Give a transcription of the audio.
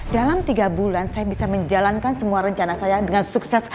dalam tiga bulan saya bisa menjalankan semua rencana saya dengan sukses